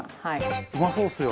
うまそうですよ。